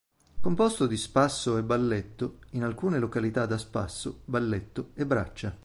Composto di spasso e balletto, in alcune località da spasso, balletto e braccia.